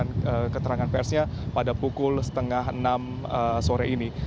dan keterangan persnya pada pukul setengah enam sore ini